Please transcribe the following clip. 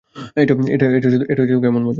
এটা কেমন মজা?